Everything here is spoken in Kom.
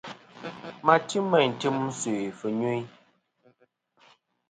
Ma ti meyn tim sœ̀ fɨnyuyn.